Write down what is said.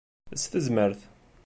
S tezmert!